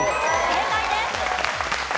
正解です。